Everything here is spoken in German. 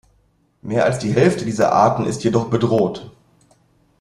Mehr als die Hälfte dieser Arten ist jedoch bedroht.